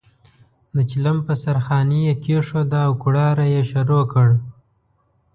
د چلم په سر خانۍ یې کېښوده او کوړاړی یې شروع کړ.